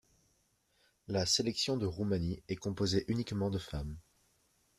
La sélection de Roumanie est composée uniquement de femmes.